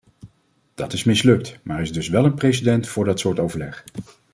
Dat is mislukt, maar er is dus wel een precedent voor dat soort overleg.